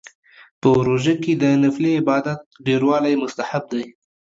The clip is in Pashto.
په روژه کې د نفلي عباداتو ډیروالی مستحب دی